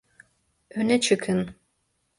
Öne çıkın.